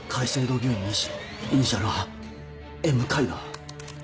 病院の医師イニシャルは「Ｍ．Ｋａｉ」だ。